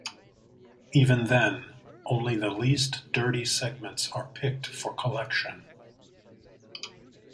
Even then, only the least-dirty segments are picked for collection.